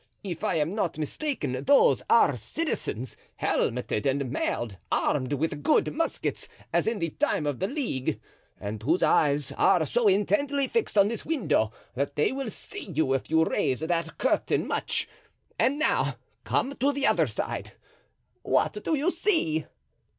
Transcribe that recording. If I am not mistaken those are citizens, helmeted and mailed, armed with good muskets, as in the time of the League, and whose eyes are so intently fixed on this window that they will see you if you raise that curtain much; and now come to the other side—what do you see?